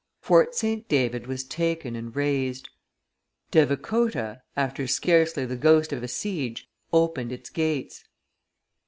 Fort St. David was taken and razed. Devicotah, after scarcely the ghost of a siege, opened its gates.